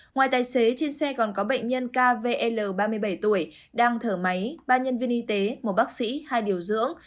ngoài tài xế trên xe còn có bệnh nhân kv ba mươi bảy tuổi đang thở máy ba nhân viên y tế một bác sĩ hai điều dưỡng